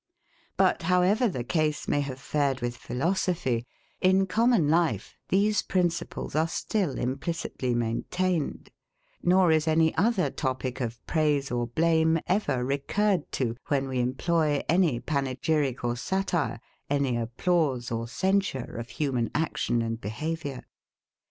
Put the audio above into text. But however the case may have fared with philosophy, in common life these principles are still implicitly maintained; nor is any other topic of praise or blame ever recurred to, when we employ any panegyric or satire, any applause or censure of human action and behaviour.